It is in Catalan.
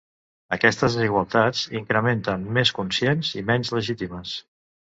Aquestes desigualtats incrementen més conscients i menys legítimes.